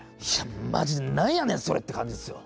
まじで、なんやねんそれって感じですわ！